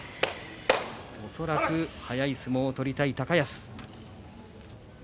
恐らく速い相撲を取りたい高安。